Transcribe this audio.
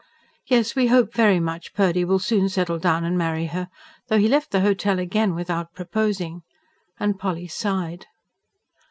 Yes, we hope very much Purdy will soon settle down and marry her though he left the Hotel again without proposing." And Polly sighed.